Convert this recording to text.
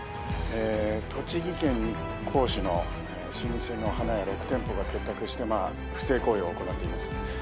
え栃木県日光市の老舗の花屋６店舗が結託して不正行為を行っています。